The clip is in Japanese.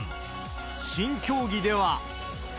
新競技では。